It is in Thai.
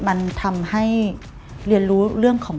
มันทำให้เรียนรู้เรื่องของ